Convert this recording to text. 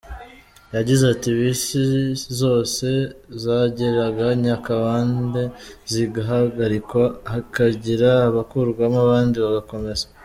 Yagize ati “Bisi zose zageraga Nyakabande zigahagarikwa, hakagira abakurwamo, abandi bagakomeza.